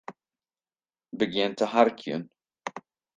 Begjin te harkjen.